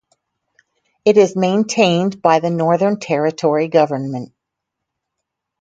It is maintained by the Northern Territory government.